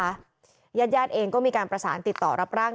ญาติแล้วเองมีการประสานติดต่อรับร่างนายประโยมมาตั้งบำเพ็ญกุศลเป็นคืนแรก